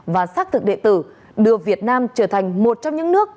và xác thực địa tử đưa việt nam trở thành một trong những nước